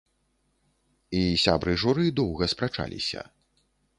І сябры журы доўга спрачаліся.